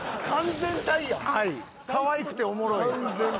かわいくておもろい。